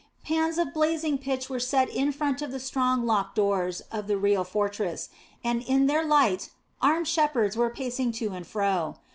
Pans of blazing pitch were set in front of the strong locked doors of the real fortress, and in their light armed shepherds were pacing to and fro.